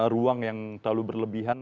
ruang yang terlalu berlebihan